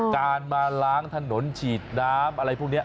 การมาล้างถนนฉีดน้ำอะไรพวกนี้